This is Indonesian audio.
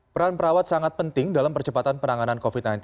peran perawat sangat penting dalam percepatan penanganan covid sembilan belas